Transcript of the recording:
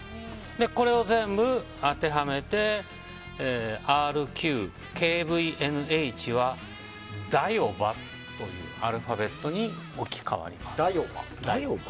これを全部当てはめてＲＱＫＶＮＨはＤＡＹＯＷＡというアルファベットに置き換わります。